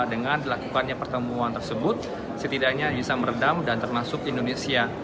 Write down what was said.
dengan dilakukannya pertemuan tersebut setidaknya bisa meredam dan termasuk indonesia